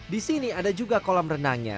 di sini ada juga kolam renangnya